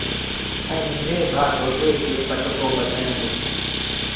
ائيٚݩ ننڍي ڀآ دودي کي پٽڪو ٻڌآيآندون۔